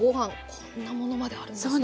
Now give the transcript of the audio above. こんなものまであるんですね。